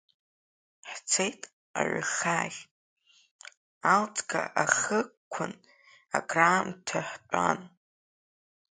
Ҳцеит аҩхаахь, Аалӡга ахықәан акраамҭа ҳтәан.